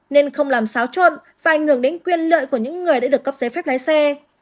nên không làm xáo trộn và ảnh hưởng đến quyền lợi của những người đã được cấp giấy phép lái xe